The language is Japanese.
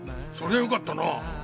そりゃよかったな。